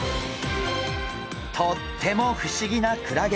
とっても不思議なクラゲ。